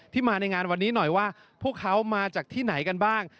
มาในงานวันนี้หน่อยว่าพวกเขามาจากที่ไหนกันบ้าง